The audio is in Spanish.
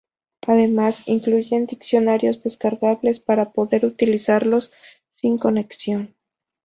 Además, incluyen diccionarios descargables para poder utilizarlos sin conexión.